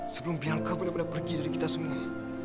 sebelum bianca pernah pergi dari kita semua